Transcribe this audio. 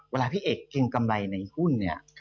เวลาพี่เอกเกรงกำไรในหุ้นเนี่ย